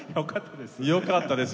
よかったです？